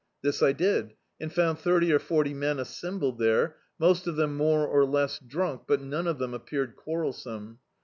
This I did, and found thirty or forty men assembled there, most of them more or less drunk, but none of than appeared quarrelsome.